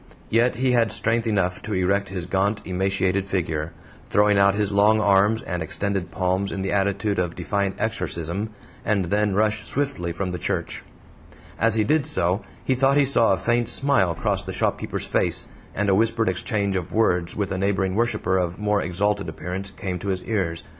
Yet he had strength enough to erect his gaunt emaciated figure, throwing out his long arms and extended palms in the attitude of defiant exorcism, and then rush swiftly from the church. As he did so he thought he saw a faint smile cross the shopkeeper's face, and a whispered exchange of words with a neighboring worshiper of more exalted appearance came to his ears.